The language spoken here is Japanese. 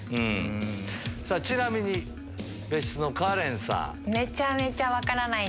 ちなみに別室のカレンさん。